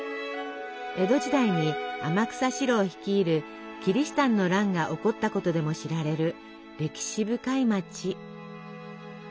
江戸時代に天草四郎率いるキリシタンの乱が起こったことでも知られる歴史深い町。